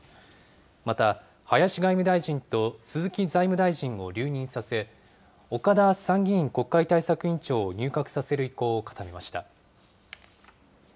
また、林外務大臣と鈴木財務大臣を留任させ、岡田参議院国会対策委員長を入閣させる意向を固めました。